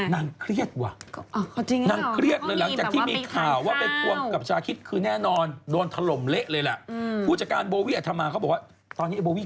นั่งเครียดว่ะนั่งเครียดเลยหลังจากที่มีข่าวเขางี่แบบว่าไปถ่ายข้าว